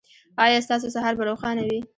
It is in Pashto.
ایا ستاسو سهار به روښانه وي؟